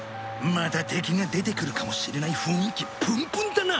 また敵が出てくるかもしれない雰囲気プンプンだな。